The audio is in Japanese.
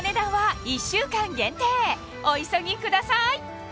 お急ぎください！